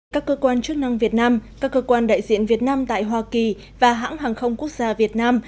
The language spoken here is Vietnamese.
các cơ quan chức năng việt nam các cơ quan đại diện việt nam tại hoa kỳ và hãng hàng không quốc gia việt nam